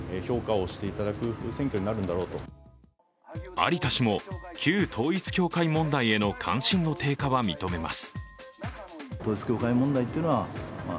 有田氏も旧統一教会問題への関心の低下は認めます。